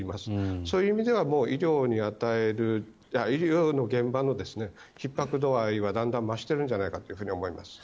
そういう意味では医療の現場のひっ迫度合いはだんだん増しているんじゃないかと思われます。